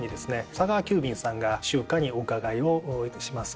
佐川急便さんが集荷にお伺いをいたします。